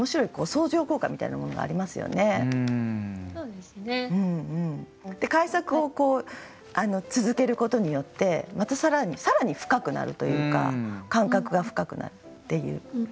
で改作を続けることによってまた更に深くなるというか感覚が深くなるっていう。